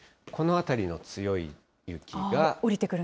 この辺りの強い雪が。